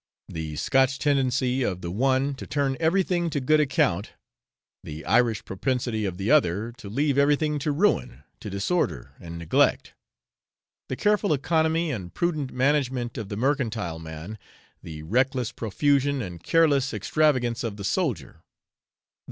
The Scotch tendency of the one to turn everything to good account, the Irish propensity of the other to leave everything to ruin, to disorder, and neglect; the careful economy and prudent management of the mercantile man, the reckless profusion, and careless extravagance of the soldier.